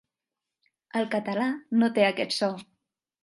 El català no té aquest so.